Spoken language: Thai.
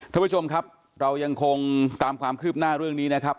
ท่านผู้ชมครับเรายังคงตามความคืบหน้าเรื่องนี้นะครับ